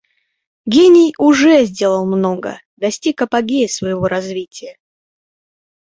Гений уже сделал много, достиг апогея своего развития.